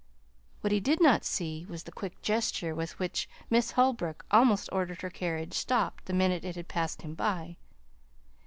What he did not see was the quick gesture with which Miss Holbrook almost ordered her carriage stopped the minute it had passed him by.